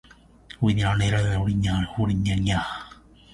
엘레베이터타고싶어요